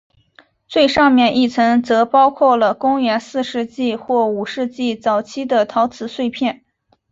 最上面一层则包括了公元四世纪或五世纪早期的陶瓷碎片。